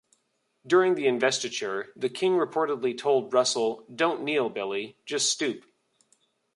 During the investiture, the King reportedly told Russell "Don't kneel Billy, just stoop".